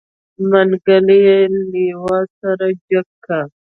منګلی يې لېوه سره جګ که.